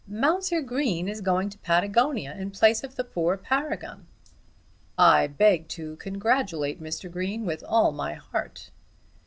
"Mounser Green is going to Patagonia, in place of the poor Paragon." "I beg to congratulate Mr. Green with all my heart."